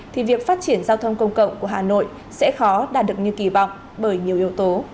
thì việc phát triển giao thông công cộng của hà nội sẽ khó đạt được như kỳ vọng bởi nhiều yếu tố